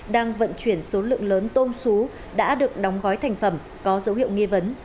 đang vận chuyển số lượng lớn tôm xú đã được đóng gói thành phẩm có dấu hiệu nghi vấn